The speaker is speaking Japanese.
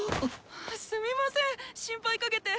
すみません心配かけて。